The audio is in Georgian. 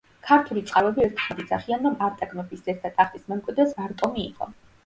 ქართული წყაროები ერთხმად იძახიან რომ არტაგ მეფის ძეც და ტახტის მემკვიდრეც ბარტომი იყო.